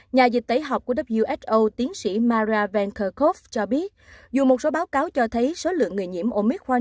nhà dịch tẩy học của who tiến sĩ mara van kerkhove cho biết dù một số báo cáo cho thấy số lượng người nhiễm omicron